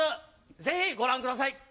ぜひご覧ください。